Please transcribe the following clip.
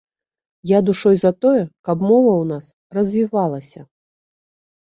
Я душой за тое, каб мова ў нас развівалася.